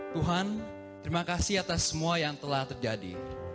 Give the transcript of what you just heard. tuhan terima kasih atas semua yang telah terjadi